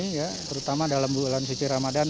selama masa covid ini terutama dalam bulan suci ramadan